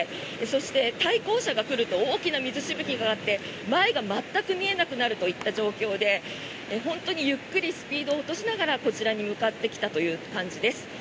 そして、対向車が来ると大きな水しぶきが上がって前が全く見えなくなるといった状況で本当にゆっくりスピードを落としながらこちらに向かってきた感じです。